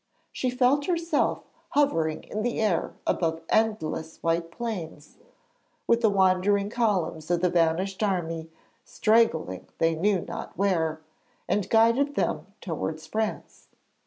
She felt herself hovering in the air above endless white plains, with the wandering columns of the vanished army straggling they knew not where, and guided them towards France.